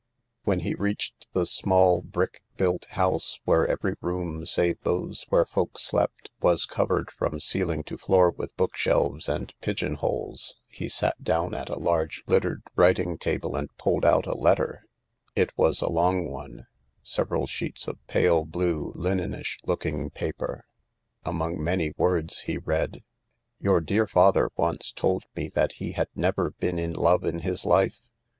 When he reached the small brick built house where every room save those where folk slept was covered from ceiling to floor WithboOkshelves and pigeon holes, he sat down at a large littered writing table and pulled out a letter, it was a long one, several sheets of pale blue linenish loOking paper. Among many words he read :" Your dear father once told me that he had never been ifi love in his life.